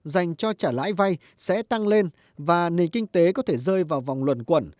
dành cho trả lãi vay sẽ tăng lên và nền kinh tế có thể rơi vào vòng luận quẩn